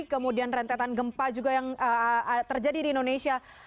kemudian rentetan gempa juga yang terjadi di indonesia